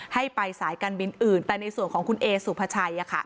ให้ไปสายการบินอื่นแต่ในส่วนของคุณเอสุภาชัย